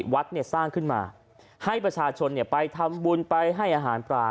วัดเนี่ยสร้างขึ้นมาให้ประชาชนไปทำบุญไปให้อาหารปลา